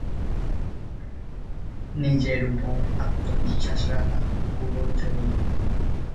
দলে তিনি মূলতঃ বামহাতি ফাস্ট বোলার হিসেবে অংশ নিতেন তিনি।